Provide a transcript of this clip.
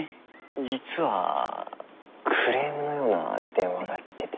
実はクレームのような電話が来てて。